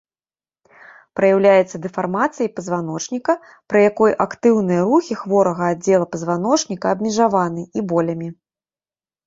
Праяўляецца дэфармацыяй пазваночніка, пры якой актыўныя рухі хворага аддзела пазваночніка абмежаваны, і болямі.